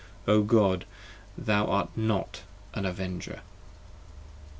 O God, thou art Not an Avenger!